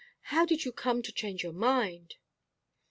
"How did you come to change your mind?"